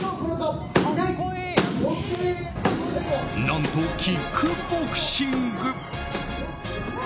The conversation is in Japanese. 何とキックボクシング！